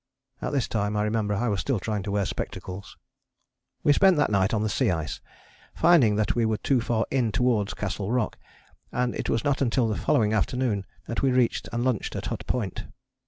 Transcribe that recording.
At this time, I remember, I was still trying to wear spectacles. We spent that night on the sea ice, finding that we were too far in towards Castle Rock; and it was not until the following afternoon that we reached and lunched at Hut Point.